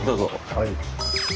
はい。